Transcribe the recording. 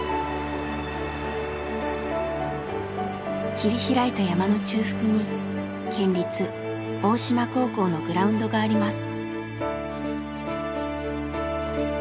切り開いた山の中腹に県立大島高校のグラウンドがあります。